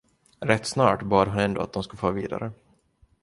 Rätt snart bad han ändå att de skulle fara vidare.